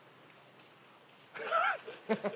ハハハハ！